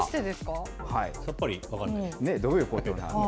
さっぱり分からないです。